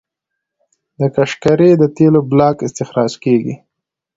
د قشقري د تیلو بلاک استخراج کیږي.